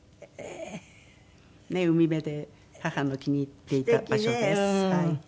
海辺で母の気に入っていた場所です。